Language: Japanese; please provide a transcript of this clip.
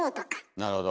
なるほど。